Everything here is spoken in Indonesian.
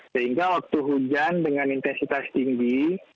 sehingga waktu hujan dengan intensitas tinggi